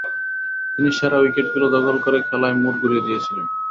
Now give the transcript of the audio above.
তিনি সেরা উইকেটগুলো দখল করে খেলায় মোড় ঘুরিয়ে দিয়েছিলেন।